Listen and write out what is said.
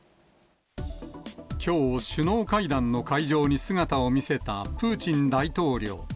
きょう、首脳会談の会場に姿を見せたプーチン大統領。